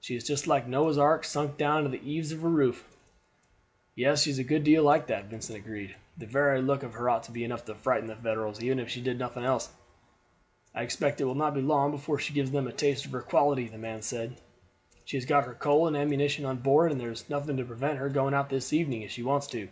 She is just like a Noah's ark sunk down to the eaves of her roof." "Yes, she is a good deal like that," Vincent agreed. "The very look of her ought to be enough to frighten the Federals, even if she did nothing else." "I expect it will not be long before she gives them a taste of her quality," the man said. "She has got her coal and ammunition on board, and there's nothing to prevent her going out this evening if she wants to."